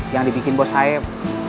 yang dibikin bos saeb